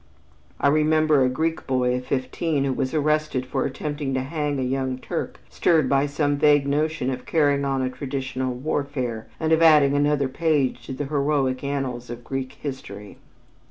I remember a Greek boy of fifteen who was arrested for attempting to hang a young Turk, stirred by some vague notion of carrying on a traditional warfare, and of adding another page to the heroic annals of Greek history.